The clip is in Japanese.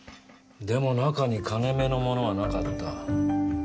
でも中に金めのものはなかった。